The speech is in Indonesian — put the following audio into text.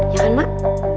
ya kan mak